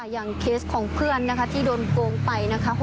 อย่างเคสของเพื่อนที่โดนโกงไป